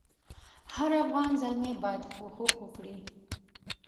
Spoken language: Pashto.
هر افغان زلمی باید کوښښ وکړي.